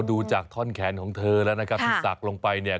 ดูจากท่อนแขนของเธอแล้วนะครับที่ตักลงไปเนี่ย